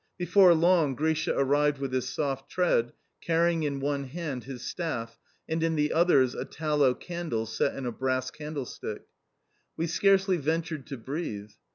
Before long Grisha arrived with his soft tread, carrying in one hand his staff and in the other a tallow candle set in a brass candlestick. We scarcely ventured to breathe.